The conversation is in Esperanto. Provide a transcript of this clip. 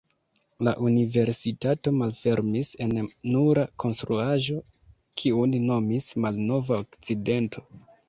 La universitato malfermis en nura konstruaĵo, kiun nomis Malnova Okcidento.